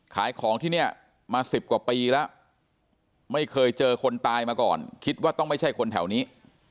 ขายของที่เนี่ยมา๑๐กว่าปีแล้วไม่เคยเจอคนตายมาก่อนคิดว่าต้องไม่ใช่คนแถวนี้